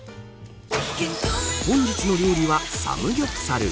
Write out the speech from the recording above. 本日の料理はサムギョプサル。